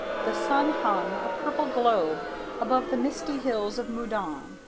The sun hung, a purple globe, above the misty hills of Meudon.